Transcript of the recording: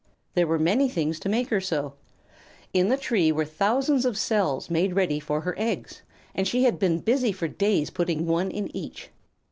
There were many things to make her so. In the tree were thousands of cells made ready for her eggs, and she had been busy for days putting one in each.